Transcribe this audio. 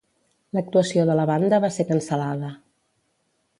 L'actuació de la banda va ser cancel·lada.